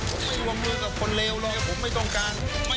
ผมไม่รวมมือกับคนเลวเลยผมไม่ต้องการ